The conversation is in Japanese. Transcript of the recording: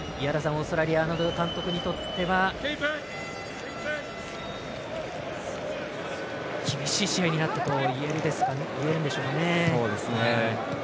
アーノルド監督にとっては厳しい試合になったと言えるんでしょうかね。